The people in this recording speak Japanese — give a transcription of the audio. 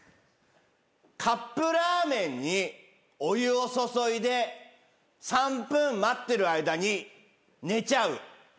カップラーメンにお湯を注いで３分待ってる間に寝ちゃう。